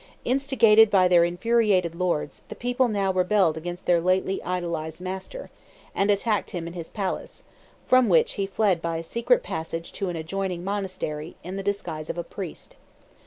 Instigated by their infuriated lords, the people now rebelled against their lately idolized master, and attacked him in his palace, from, which he fled by a secret passage to an adjoining monastery, in the disguise of a priest.